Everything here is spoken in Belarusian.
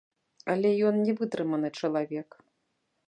Але ён не вытрыманы чалавек.